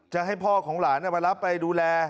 จะให้พ่อของหลานมารับไปดูแล